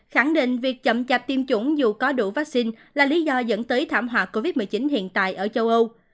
khẳng định việc chậm chạp tiêm chủng dù có đủ vaccine là lý do dẫn tới thảm họa covid một mươi chín hiện tại ở châu âu